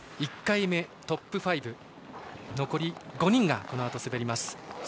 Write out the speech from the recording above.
１回目トップ５残り５人がこのあと滑ります。